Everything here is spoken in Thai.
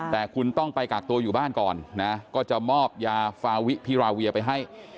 แต่คุณต้องไปกักตัวอยู่บ้านก่อนนะก็จะมอบยาฟาวิพิราเวียไปให้